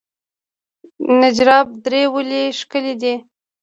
نجراب درې ولې ښکلې دي؟